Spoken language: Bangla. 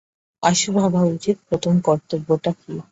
আশু ভাবা উচিত প্রথম কর্তব্যটা কী।